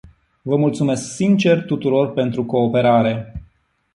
Vă mulțumesc sincer tuturor pentru cooperare.